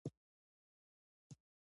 د ارتباطي درزونو ترمنځ فاصله هم پیدا کوو